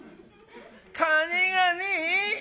「金がねえ？